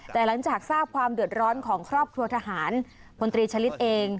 แต่หลังจากทราบความเดือดร้อนของครอบครัวทหารพลตรีชะลิดเอง